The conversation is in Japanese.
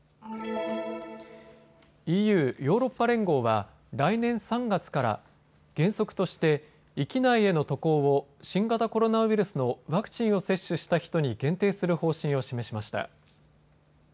ＥＵ・ヨーロッパ連合は来年３月から原則として域内への渡航を新型コロナウイルスのワクチンを接種した人に限定する方針を示しました。